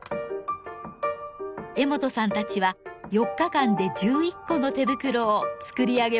江本さんたちは４日間で１１個の手袋を作り上げました。